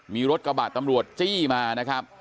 มีรถกระบะตำรวจจี้มานะครับ